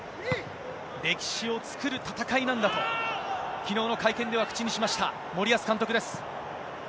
歴史を作る戦いなんだと、きのうの会見では口にしました、森保監督です。